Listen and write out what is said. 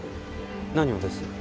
何をです？